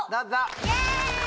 イエーイ！